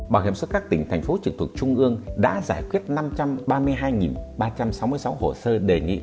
bảo hiểm xuất các tỉnh thành phố trực thuộc trung ương đã giải quyết năm trăm ba mươi hai ba trăm sáu mươi sáu hồ sơ đề nghị